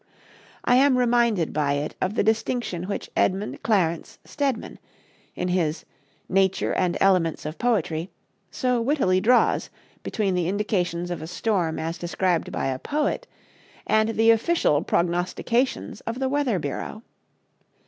I am reminded by it of the distinction which Edmund Clarence Stedman, in his "Nature and Elements of Poetry," so wittily draws between the indications of a storm as described by a poet and by the official prognostications of the Weather Bureau.